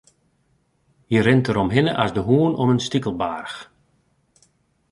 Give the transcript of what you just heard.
Hy rint deromhinne as de hûn om in stikelbaarch.